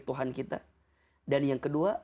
tuhan kita dan yang kedua